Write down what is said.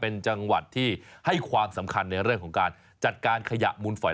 เป็นจังหวัดที่ให้ความสำคัญในเรื่องของการจัดการขยะมูลฝอย